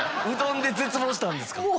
うどんで絶望したんですか？